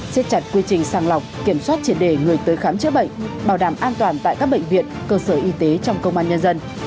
xếp chặt quy trình sàng lọc kiểm soát triệt đề người tới khám chữa bệnh bảo đảm an toàn tại các bệnh viện cơ sở y tế trong công an nhân dân